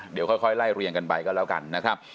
เดี๋ยวค่อยไล่เรียงกันไปก็แล้วกันนะครับ